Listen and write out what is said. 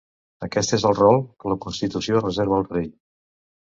Aquest és el rol que la constitució reserva al rei.